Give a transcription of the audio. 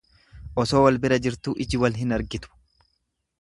Osoo wal bira jirtuu ijji wal hin argitu.